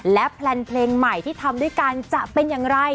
และแพลนเพลงใหม่ที่ทำด้วยกันจะเป็นอย่างไร